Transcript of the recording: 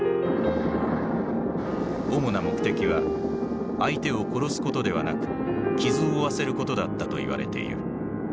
主な目的は相手を殺すことではなく傷を負わせることだったといわれている。